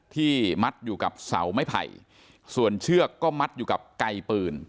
ที่มัดอยู่กับเสาไม้ไผ่ส่วนเชือกก็มัดอยู่กับไกลปืน